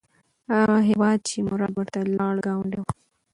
هغه هیواد چې مراد ورته لاړ، ګاونډی و.